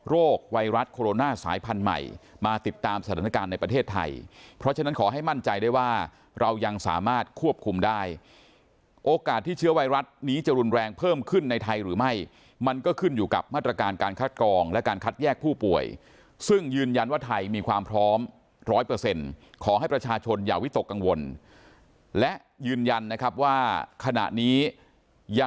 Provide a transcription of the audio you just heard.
โรคไวรัสโคโรนาสายพันธุ์ใหม่มาติดตามสถานการณ์ในประเทศไทยเพราะฉะนั้นขอให้มั่นใจได้ว่าเรายังสามารถควบคุมได้โอกาสที่เชื้อไวรัสนี้จะรุนแรงเพิ่มขึ้นในไทยหรือไม่มันก็ขึ้นอยู่กับมาตรการการคัดกองและการคัดแยกผู้ป่วยซึ่งยืนยันว่าไทยมีความพร้อม๑๐๐ขอให้ประชาชนอย่าวิต